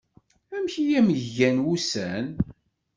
Amek i am-gan wussan?